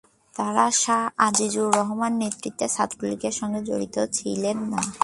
তারা শাহ আজিজুর রহমানের নেতৃত্বের ছাত্রলীগের সঙ্গে জড়িত ছিলেন না।